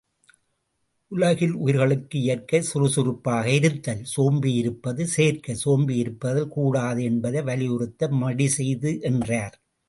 உலகில் உயிர்களுக்கு இயற்கை சுறுசுறுப்பாக இருத்தல் சோம்பியிருப்பது செயற்கை, சோம்பியிருத்தல் கூடாது என்பதை வலியுறுத்த, மடி செய்து என்றார்.